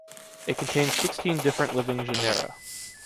It contains sixteen different living genera.